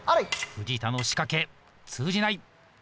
藤田の仕掛け通じない！